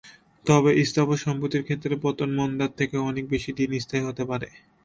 তবে স্থাবর সম্পত্তির ক্ষেত্রে পতন মন্দার থেকেও অনেক বেশি দিন স্থায়ী হতে পারে।